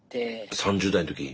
３０代の時。